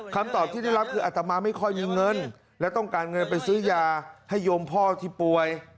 คำตอบที่ได้รับคืออัตมาไม่ค่อยมีเงินและต้องการเงินไปซื้อยาให้โยมพ่อที่ป่วย